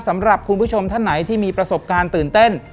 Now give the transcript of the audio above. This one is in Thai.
สำหรับคุณผู้ชมท่านไหนที่มีประสบการณ์ตื่นเต้น